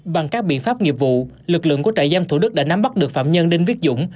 bằng các biện pháp nghiệp vụ lực lượng của trại giam thủ đức đã nắm bắt được phạm nhân đinh viết dũng